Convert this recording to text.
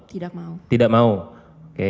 tidak mau tidak mau oke